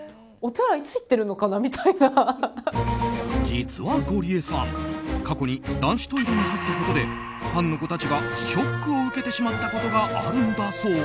実はゴリエさん過去に男子トイレに入ったことでファンの子たちがショックを受けてしまったことがあるんだそう。